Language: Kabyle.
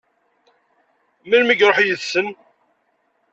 Melmi i iṛuḥ yid-sen?